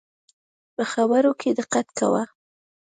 په خبرو کي دقت کوه